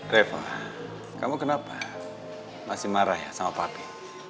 reva kamu kenapa masih marah ya sama papi